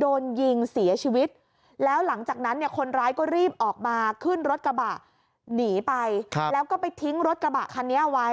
โดนยิงเสียชีวิตแล้วหลังจากนั้นเนี่ยคนร้ายก็รีบออกมาขึ้นรถกระบะหนีไปแล้วก็ไปทิ้งรถกระบะคันนี้เอาไว้